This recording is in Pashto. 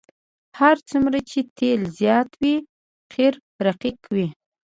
هر څومره چې تیل زیات وي قیر رقیق وي